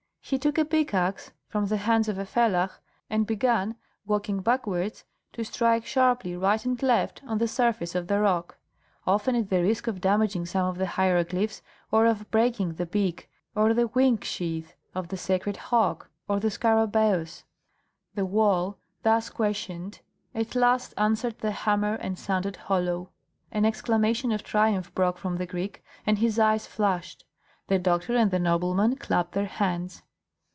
He took a pick axe from the hands of a fellah, and began, walking backward, to strike sharply right and left on the surface of the rock, often at the risk of damaging some of the hieroglyphs or of breaking the beak or the wing sheath of the sacred hawk or the scarabæus. The wall, thus questioned, at last answered the hammer and sounded hollow. An exclamation of triumph broke from the Greek and his eyes flashed; the doctor and the nobleman clapped their hands.